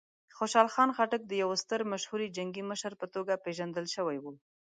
خوشحال خان خټک د یوه ستر مشهوره جنګي مشر په توګه پېژندل شوی و.